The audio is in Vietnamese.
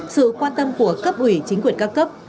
sự quan tâm của cấp ủy chính quyền các cấp